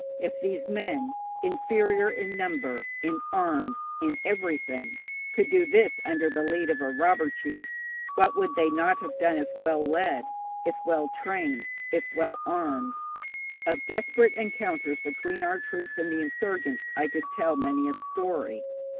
If these men, inferior in number, in arms, in everything, could do this under the lead of a robber chief, what would they not have done if well led, if well trained, if well armed? Of desperate encounters between our troops and the insurgents I could tell many a story.